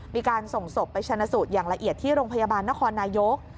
มีการส่งศพไปชนะสูตรอย่างละเอียดที่โรงพยาบาลนครนายก